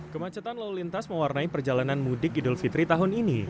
kemacetan lalu lintas mewarnai perjalanan mudik idul fitri tahun ini